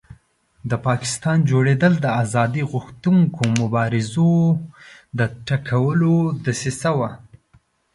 د پاکستان جوړېدل د آزادۍ غوښتونکو مبارزو د ټکولو دسیسه وه.